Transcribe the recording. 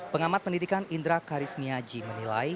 pengamat pendidikan indra karismiaji menilai